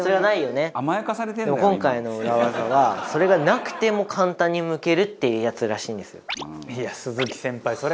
今回の裏ワザはそれがなくても簡単にむけるっていうやつらしいんです。